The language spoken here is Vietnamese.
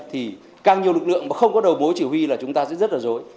thì càng nhiều lực lượng mà không có đầu mối chỉ huy là chúng ta sẽ rất là dối